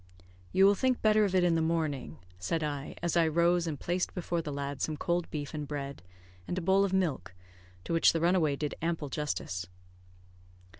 "You will think better of it in the morning," said I, as I rose and placed before the lad some cold beef and bread, and a bowl of milk, to which the runaway did ample justice.